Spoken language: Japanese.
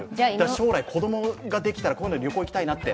将来、子供ができたら、こういうので旅行行きたいなって。